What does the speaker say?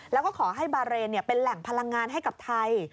แล้วก็ขอให้บาเรนเป็นแหล่งพลังงานให้กับไทย